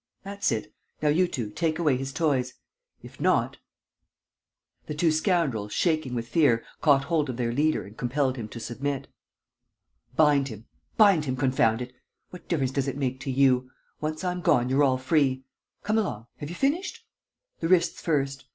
... That's it. ... Now, you two, take away his toys. ... If not ...!" The two scoundrels, shaking with fear, caught hold of their leader and compelled him to submit. "Bind him! ... Bind him, confound it! ... What difference does it make to you? ... Once I'm gone, you're all free. ... Come along, have you finished? The wrists first